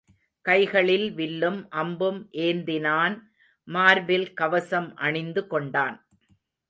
கைகளில் வில்லும் அம்பும் ஏந்தினான் மார்பில் கவசம் அணிந்து கொண்டான்.